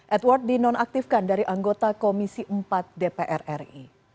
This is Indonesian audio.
edward dinonaktifkan dari anggota komisi empat dpr ri